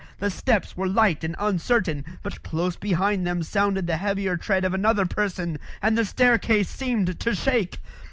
The steps were light and uncertain; but close behind them sounded the heavier tread of another person, and the staircase seemed to shake.